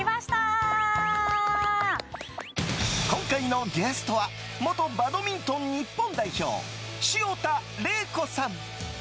今回のゲストは元バドミントン日本代表潮田玲子さん。